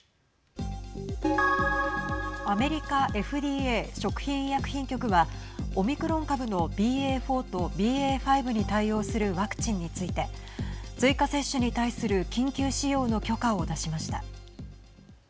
アメリカＦＤＡ＝食品医薬品局はオミクロン株のＢＡ．４とＢＡ．５に対応するワクチンについて追加接種に対する緊急使用の許可を出しました。